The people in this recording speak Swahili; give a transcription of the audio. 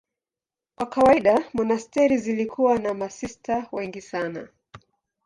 Kwa kawaida monasteri zilikuwa na masista wengi sana.